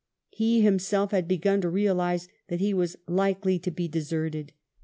He himself had begun to realize that he was likely to be deserted.